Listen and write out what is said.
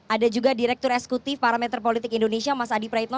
ada juga direktur esekutif parameter politik indonesia mas adi praitno